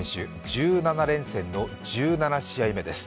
１７連戦の１７試合目です。